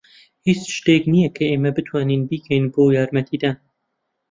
هیچ شتێک نییە کە ئێمە بتوانین بیکەین بۆ یارمەتیدان.